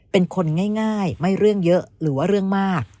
เป็นคนง่ายไม่เรื่องเยอะหรือว่าเรื่องมาก